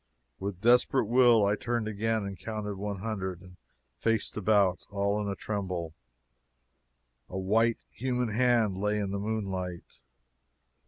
With desperate will I turned again and counted one hundred, and faced about, all in a tremble. A white human hand lay in the moonlight!